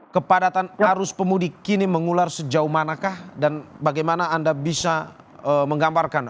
kepadatan arus pemudik kini mengular sejauh manakah dan bagaimana anda bisa menggambarkan